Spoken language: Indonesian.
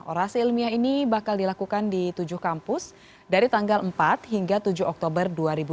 orasi ilmiah ini bakal dilakukan di tujuh kampus dari tanggal empat hingga tujuh oktober dua ribu dua puluh